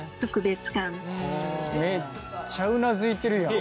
めっちゃうなずいてるやん。